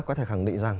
có thể khẳng định rằng